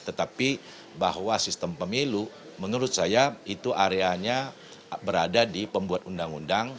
tetapi bahwa sistem pemilu menurut saya itu areanya berada di pembuat undang undang